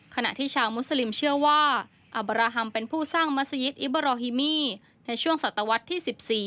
ขณะที่ชาวมุสลิมเชื่อว่าอาบาราฮัมเป็นผู้สร้างมัศยิตอิเบอร์โรฮิมี่ในช่วงศตวรรษที่๑๔